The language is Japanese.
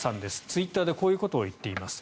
ツイッターでこういうことを言っています。